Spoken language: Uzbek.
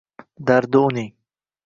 Dardi uning —